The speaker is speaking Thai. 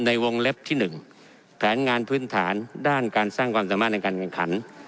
ในวงเล็บที่๑แผนงานพื้นฐานด้านการสร้างความสามารถในการแข่งขัน